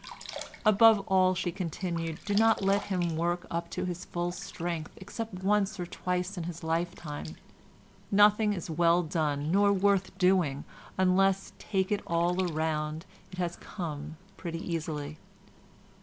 "Above all," she continued, "do not let him work up to his full strength, except once or twice in his lifetime; nothing is well done nor worth doing unless, take it all round, it has come pretty easily.